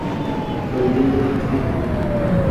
الګو باید څوک وي؟